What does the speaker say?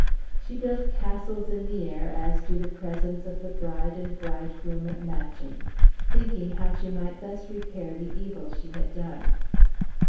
She built castles in the air as to the presence of the bride and bridegroom at Matching, thinking how she might thus repair the evil she had done.